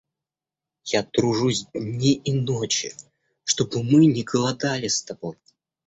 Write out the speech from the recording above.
Я тружусь дни и ночи, чтобы мы не голодали с тобой.